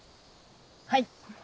はい。